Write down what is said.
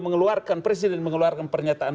mengeluarkan presiden mengeluarkan pernyataan